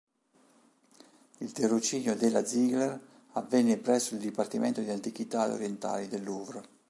Il tirocinio della Ziegler avvenne presso il dipartimento di antichità orientali del Louvre.